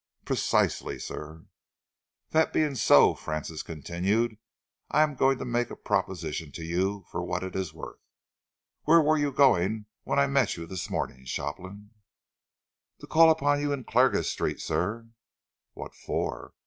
"Precisely, sir." "That being so," Francis continued, "I am going to make a proposition to you for what it is worth. Where were you going when I met you this morning, Shopland?" "To call upon you in Clarges Street, sir." "What for?"